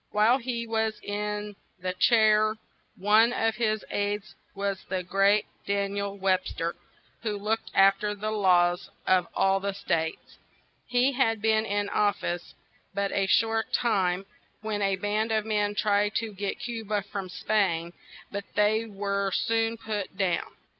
While he was in the chair one of his aids was the great Dan iel Web ster, who looked af ter the laws of all the states. He had been in of fice but a short time, when a band of men tried to get Cu ba from Spain; but they were soon put down.